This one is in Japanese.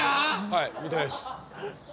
はい見てないです